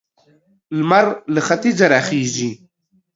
لمر له ختيځه را خيژي.